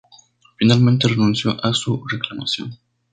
Finalmente renunció a su reclamación.